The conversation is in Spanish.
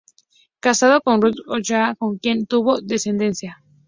Casado con Gertrudis Ochoa, con quien tuvo descendencia.